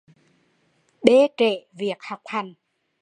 Bê trễ việc học hành